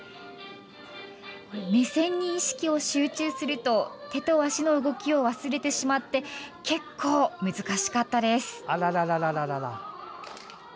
目線に意識を集中すると手と足の動きを忘れてしまって結構、難しかったです。